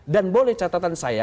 dan boleh catatan saya